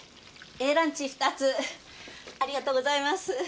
ランチ２つありがとうございます。